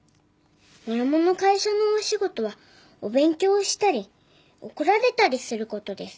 「マルモの会社のお仕事はお勉強をしたり怒られたりすることです」